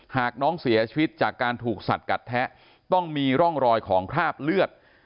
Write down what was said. หากน้องเสียชีวิตจากการถูกสัดกัดแทะต้องมีร่องรอยของคราบเลือด